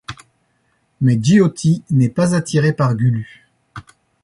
Mais Jyoti n'est pas attiré par Gulu.